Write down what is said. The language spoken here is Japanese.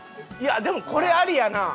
でもこれありやな！